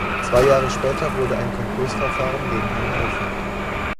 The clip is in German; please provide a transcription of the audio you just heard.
Zwei Jahre später wurde ein Konkursverfahren gegen ihn eröffnet.